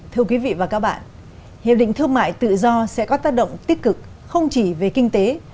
thưa quý vị và các bạn hiệp định thương mại tự do sẽ có tác động tích cực không chỉ về kinh tế